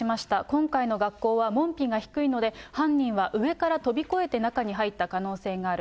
今回の学校は門扉が低いので、犯人は上から飛び越えて中に入った可能性がある。